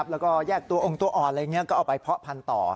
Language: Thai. แล้วก็แยกตัวองค์ตัวอ่อนอะไรอย่างนี้ก็เอาไปเพาะพันธุ์ต่อ